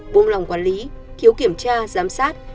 bốm lòng quản lý khiếu kiểm tra giám sát